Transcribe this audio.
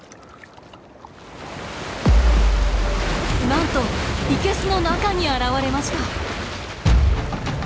なんと生けすの中に現れました。